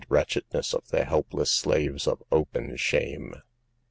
wretchedness of the helpless slaves of open shame.